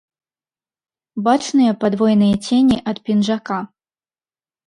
Бачныя падвойныя цені ад пінжака.